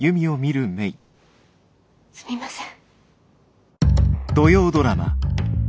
すみません。